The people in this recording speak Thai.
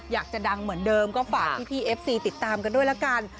อยากจะดังเหมือนเดิมก็ฝากพี่เอฟซีติดตามกันด้วยละกัน